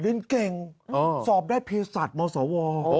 เรียนเก่งสอบได้เพศัตว์มสว